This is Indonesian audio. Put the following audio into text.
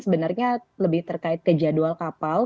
sebenarnya lebih terkait ke jadwal kapal